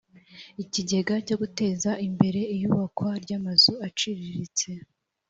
ikigega cyo guteza imbere iyubakwa ry amazu aciriritse